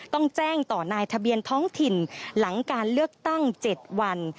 ต้องแจ้งต่อนายทะเบียนท้องถิ่นหลังการเลือกตั้ง๗วัน